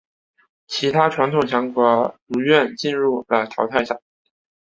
其他传统强国如愿进入了淘汰赛。